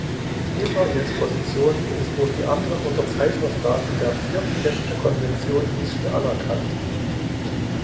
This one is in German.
Israels Position ist durch die anderen Unterzeichnerstaaten der Vierten Genfer Konvention nicht anerkannt.